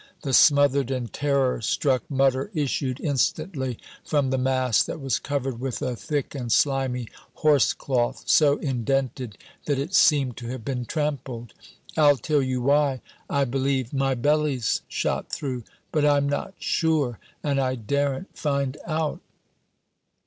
The smothered and terror struck mutter issued instantly from the mass that was covered with a thick and slimy horse cloth, so indented that it seemed to have been trampled. "I'll tell you why. I believe my belly's shot through. But I'm not sure, and I daren't find out."